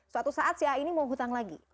suatu saat si a ini mau hutang lagi